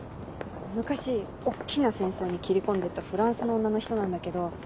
昔大っきな戦争に斬り込んでったフランスの女の人なんだけど。